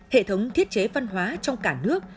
hệ thống thiết chế văn hóa trong cả nước